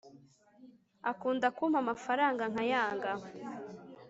akunda kumpa amafaranga nkayanga